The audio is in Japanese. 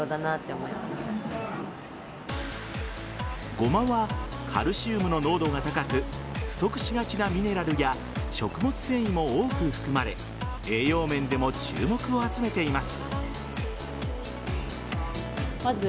ごまはカルシウムの濃度が高く不足しがちなミネラルや食物繊維も多く含まれ栄養面でも注目を集めています。